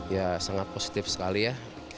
ya sangat positif sekali ya